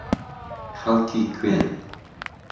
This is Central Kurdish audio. خەڵکی کوێن؟